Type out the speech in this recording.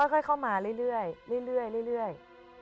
ค่อยเข้ามาเรื่อย